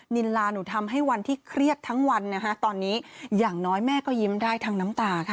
นินลาหนูทำให้วันที่เครียดทั้งวันนะคะตอนนี้อย่างน้อยแม่ก็ยิ้มได้ทั้งน้ำตาค่ะ